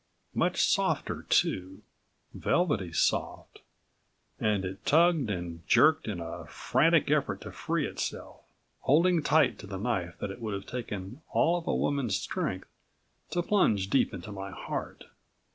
Much softer too, velvety soft, and it tugged and jerked in a frantic effort to free itself, holding tight to the knife that it would have taken all of a woman's strength to plunge deep into my heart.